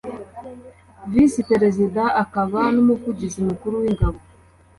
Visi perezida akaba n umuvugizi mukuru w’ingabo